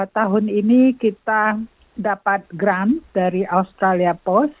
tahun ini kita dapat grand dari australia post